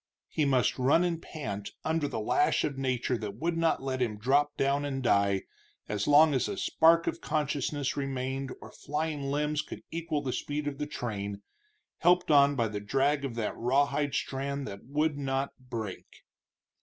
He must run and pant, under the lash of nature that would not let him drop down and die, as long as a spark of consciousness remained or flying limbs could equal the speed of the train, helped on by the drag of that rawhide strand that would not break.